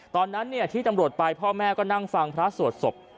ตอนนั้นที่ตำรวจไปพ่อแม่ก็นั่งฟังพระสวดศพ